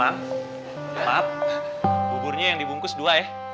bang maaf buburnya yang dibungkus dua ya